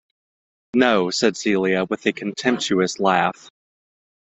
"No", said Celia, with a contemptuous laugh.